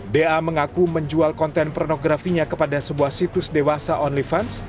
da mengaku menjual konten pornografinya kepada sebuah situs dewasa only fans